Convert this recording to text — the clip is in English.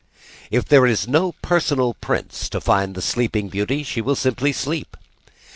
If there is no personal prince to find the Sleeping Beauty she will simply sleep.